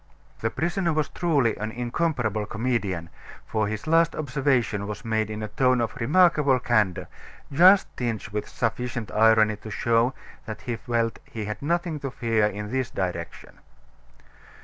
The prisoner was truly an incomparable comedian, for his last observation was made in a tone of remarkable candor, just tinged with sufficient irony to show that he felt he had nothing to fear in this direction.